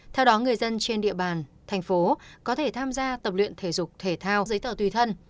theo đó người dân trên địa bàn thành phố có thể tham gia tập luyện thể dục thể thao giấy tờ tùy thân